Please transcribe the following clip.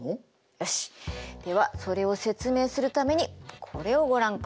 よしではそれを説明するためにこれをご覧ください。